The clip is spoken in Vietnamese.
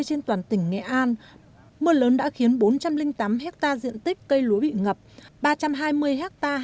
trên toàn tỉnh nghệ an mưa lớn đã khiến bốn trăm linh tám hectare diện tích cây lúa bị ngập ba trăm hai mươi ha